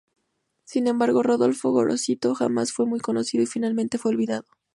Sin embargo Rodolfo Gorosito jamás fue muy conocido, y finalmente fue olvidado.